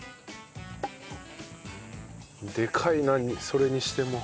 でかいなそれにしても。